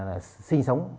là sinh sống